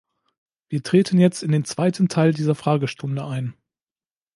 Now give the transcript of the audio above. Wir treten jetzt in den zweiten Teil dieser Fragestunde ein.